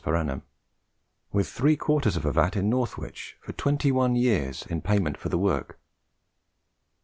per annum, with three quarters of a vat in Northwich, for twenty one years, in payment for the work.